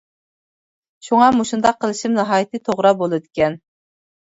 شۇڭا مۇشۇنداق قىلىشىم ناھايىتى توغرا بولىدىكەن.